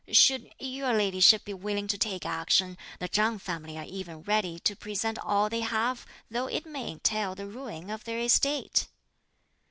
Should (your ladyship) be willing to take action, the Chang family are even ready to present all they have, though it may entail the ruin of their estate."